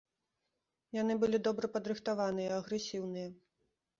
Яны былі добра падрыхтаваныя, агрэсіўныя.